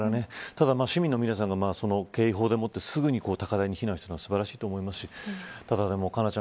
ただ市民の皆さんが警報でもってすぐに高台に避難したのは素晴らしいと思いますし佳菜